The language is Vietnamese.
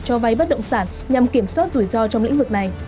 với bất động sản nhằm kiểm soát rủi ro trong lĩnh vực này